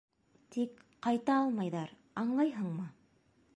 Тик ҡайта алмайҙар, аңлайһыңмы?